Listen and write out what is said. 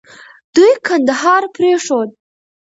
دوی کندهار پرېښود.